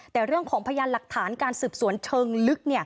แต่เรื่องของพยานหลักฐานการสืบสวนเชิงลึก